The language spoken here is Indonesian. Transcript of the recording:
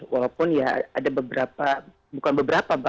walaupun ya ada beberapa bukan beberapa